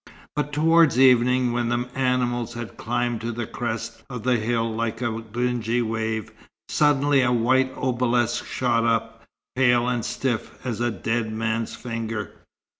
But towards evening, when the animals had climbed to the crest of a hill like a dingy wave, suddenly a white obelisk shot up, pale and stiff as a dead man's finger.